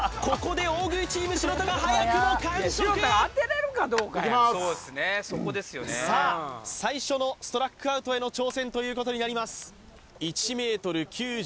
ここで大食いチーム白田が早くも完食さあ最初のストラックアウトへの挑戦ということになります